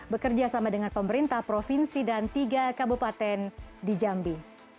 bekerjasama dengan pemerintah provinsi dan tiga kabupaten di jambi